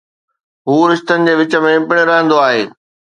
هو رشتن جي وچ ۾ پڻ رهندو آهي.